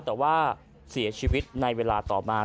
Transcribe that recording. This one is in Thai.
แต่ว่าเสียชีวิตในเวลาต่อมา